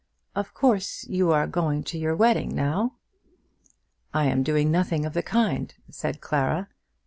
"Of course you are going to your wedding now?" "I am doing nothing of the kind," said Clara.